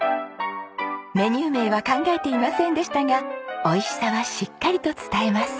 メニュー名は考えていませんでしたが美味しさはしっかりと伝えます。